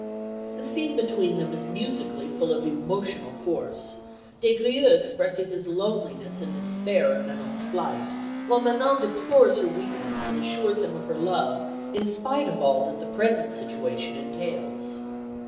The scene between them is musically full of emotional force, Des Grieux expressing his loneliness and despair at Manon's flight, while Manon deplores her weakness and assures him of her love in spite of all that the present situation entails.